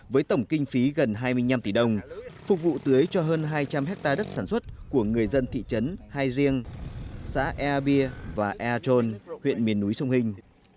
với tổng kinh phí gần hai mươi năm tỷ đồng phục vụ tưới cho hơn hai trăm linh hectare đất sản xuất của người dân thị trấn hai riêng xã ea bia và ea trôn huyện miền núi sông hình